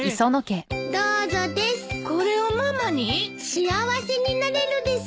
幸せになれるです。